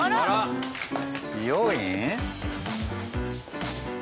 美容院？